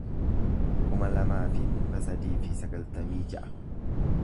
kuma lamaa fi dhibba sadii fi sagaltamii ja'a